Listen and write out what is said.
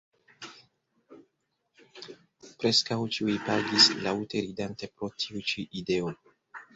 Preskaŭ ĉiuj pagis, laŭte ridante pro tiu ĉi ideo.